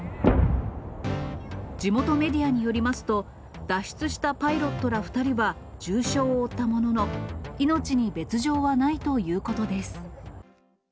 地元メディアによりますと、脱出したパイロットら２人は重傷を負ったものの、命に別状はないということです。